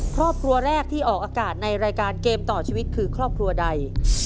ครอบครัวแรกที่ออกอากาศในรายการเกมต่อชีวิตคือครอบครัวใด